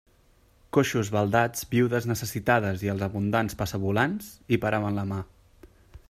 Coixos, baldats, viudes necessitades i els abundants passavolants, hi paraven la mà.